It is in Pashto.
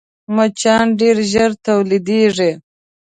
مچان ډېر ژر تولیدېږي